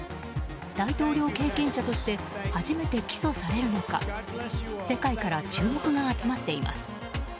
大統領経験者として初めて起訴されるのか世界から注目が集まっています。